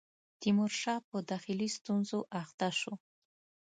تیمورشاه په داخلي ستونزو اخته شو.